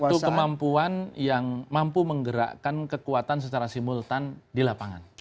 dia memiliki satu kemampuan yang mampu menggerakkan kekuatan secara simultan di lapangan